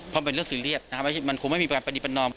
เพราะเป็นเรื่องซีเรียสมันคงไม่มีประกันปฏิบันนอง